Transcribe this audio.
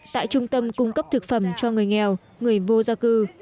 tại trung tâm cung cấp thực phẩm cho người nghèo người vô gia cư